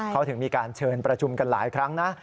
เขาถึงมีการเชิญประชุมกันหลายครั้งนะ